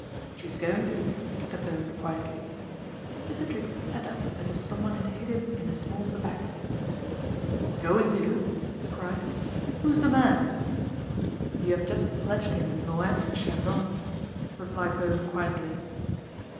She's going to," said Bowen quietly. Mr. Triggs sat up as if someone had hit him in the small of the back. " Going to," he cried. " Who's the man ?"" You have just pledged him in Moet and Chandon," replied Bowen quietly.